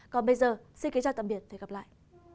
còn bây giờ xin kính chào tạm biệt và hẹn gặp lại